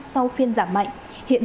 sau phiên giới của việt nam